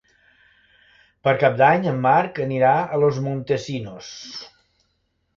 Per Cap d'Any en Marc anirà a Los Montesinos.